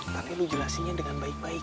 tapi lo jelasinnya dengan baik baik